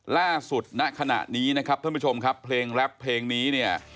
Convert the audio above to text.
ณขณะนี้นะครับท่านผู้ชมครับเพลงแรปเพลงนี้เนี่ย